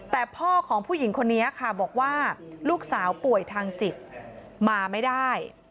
แต่พ่อของผู้หญิงคนนี้ค่ะบอกว่าลูกสาวป่วยทางจิตมาไม่ได้